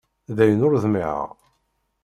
Dayen ur ḍmiεeɣ.